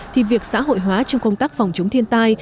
thì việc xã hội hóa trong công tác phòng chống thiên tai